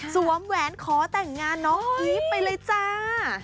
แหวนขอแต่งงานน้องอีฟไปเลยจ้า